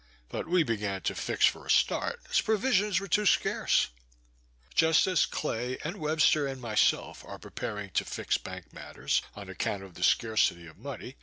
But we began to fix for a start, as provisions were too scarce; just as Clay, and Webster, and myself are preparing to fix bank matters, on account of the scarcity of money.